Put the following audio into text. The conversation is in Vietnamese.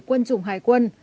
quân chủng hải quân